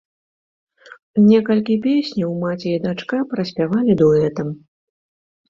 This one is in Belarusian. Некалькі песняў маці і дачка праспявалі дуэтам.